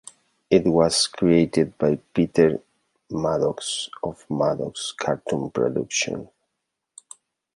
It was created by Peter Maddocks of Maddocks Cartoon Productions.